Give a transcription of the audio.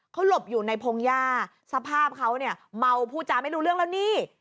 เขาหลบอยู่ในพงหญ้าสภาพเขาเนี่ยเมาพูดจาไม่รู้เรื่องแล้วนี่